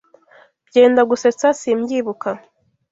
Byendagusetsa, simbyibuka.